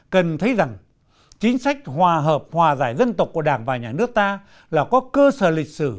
cần thấy rằng chính sách hòa hợp hòa giải dân tộc của đảng và nhà nước ta là có cơ sở lịch sử